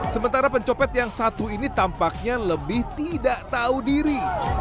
sementara pencopet yang satu ini tampaknya lebih tidak tahu diri